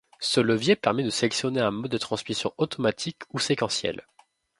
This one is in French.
Ce levier permet de sélectionner un mode de transmission automatique ou séquentiel.